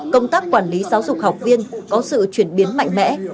công tác quản lý giáo dục học viên có sự chuyển biến mạnh mẽ